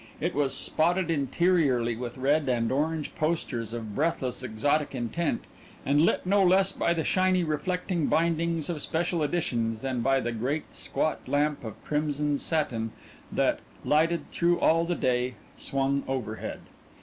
It was spotted interiorly with red and orange posters of breathless exotic intent, and lit no less by the shiny reflecting bindings of special editions than by the great squat lamp of crimson satin that, lighted through all the day, swung overhead.